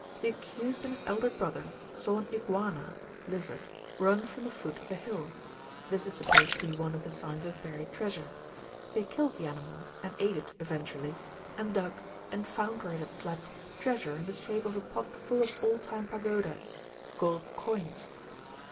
The accused and his elder brother saw an 'iguana' (lizard) run from the foot of a hill. This is supposed to be one of the signs of buried treasure. They killed the animal (and ate it eventually), and dug, and found, where it had slept, treasure in the shape of a pot full of old time pagodas (gold coins).